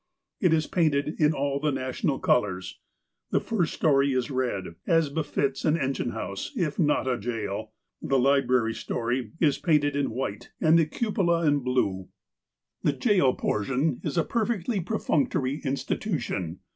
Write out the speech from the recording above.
It is painted in all the national colours. The first storey is red, as befits an en gine house, if not a jail. The library storey is painted in w^hite, and the cupola in blue. 324 THE APOSTLE OF ALASKA The iail portiou is a perfectly pertoctory institution.